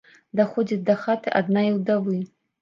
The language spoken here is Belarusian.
Даходзяць да хаты аднае ўдавы.